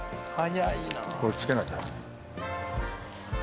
これ着けなきゃ。